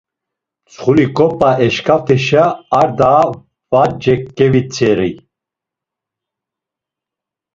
Mtsxuliǩop̌a eşǩaft̆işa ar daha va ç̌eǩevitzeri.